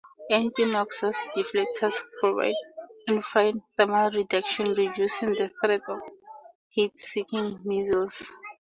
Engine exhaust deflectors provide infrared thermal reduction reducing the threat of heat-seeking missiles.